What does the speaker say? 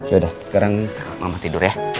yaudah sekarang mama tidur ya